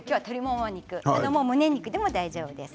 鶏のむね肉でも大丈夫です。